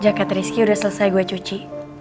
jakartriski sudah selesai gue cuci